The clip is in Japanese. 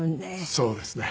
そうですね。